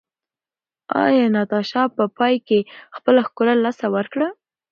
ایا ناتاشا په پای کې خپله ښکلا له لاسه ورکړه؟